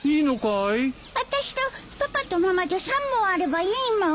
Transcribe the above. あたしとパパとママで３本あればいいもん。